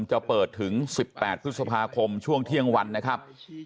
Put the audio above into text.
จะเปิดถึง๑๘พฤษภาคมช่วงเที่ยงวันนะครับ